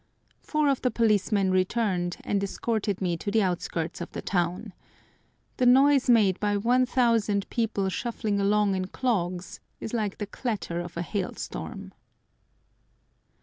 Four of the policemen returned, and escorted me to the outskirts of the town. The noise made by 1000 people shuffling along in clogs is like the clatter of a hail storm.